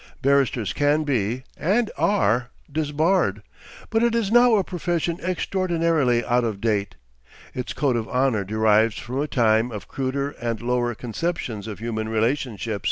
Barristers can be, and are, disbarred. But it is now a profession extraordinarily out of date; its code of honour derives from a time of cruder and lower conceptions of human relationship.